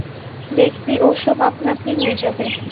দেখবি ও-সব আপনা-আপনি হয়ে যাবে।